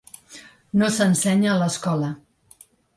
No s’ensenya a l’escola.